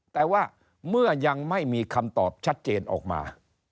แต่ว่าเมื่อยังไม่มีคำตอบชัดเจนออกมา